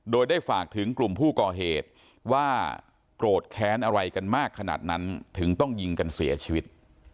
โดยได้ฝากถึงกลุ่มผู้ก่อเหตุว่าโกรธแค้นอะไรกันมากขนาดนั้นถึงต้องยิงกันเสียชีวิต